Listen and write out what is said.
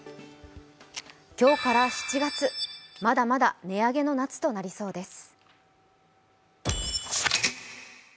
今日から７月、まだまだ値上げの夏となりそうです。